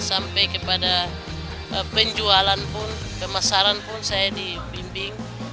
sampai kepada penjualan pun kemasan pun saya dibimbing